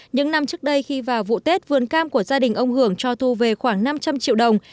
những năm trước đây khi vào vụ tết vườn cam của gia đình ông hưởng cho thu về khoảng năm trăm linh triệu đồng